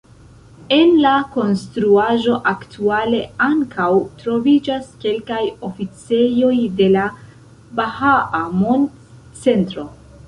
En la konstruaĵo aktuale ankaŭ troviĝas kelkaj oficejoj de la "Bahaa Mond-Centro".